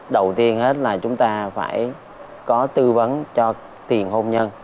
đầu tiên hết là chúng ta phải có tư vấn cho tiền hôn nhân